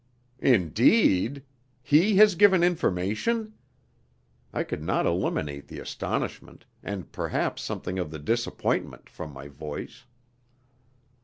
"Indeed? He has given information?" I could not eliminate the astonishment, and perhaps something of the disappointment, from my voice.